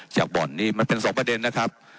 บ่อนนี้มันเป็น๒ประเด็นนะครับ